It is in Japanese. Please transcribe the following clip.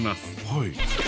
はい。